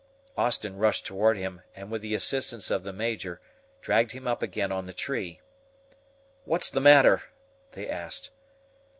Austin rushed toward him, and with the assistance of the Major, dragged him up again on the tree. "What's the matter?" they asked.